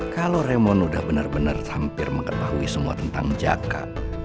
kalau remon udah benar benar hampir mengetahui semua tentang jaka